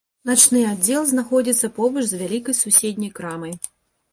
Начны аддзел знаходзіцца побач з вялікай суседняй крамай.